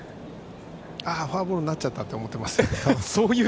フォアボールになっちゃったって思ってますよ。